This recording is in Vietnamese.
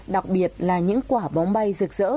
đặc biệt là những quả bóng bay rực rỡ